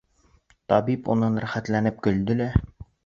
Табип унан рәхәтләнеп көлдө лә: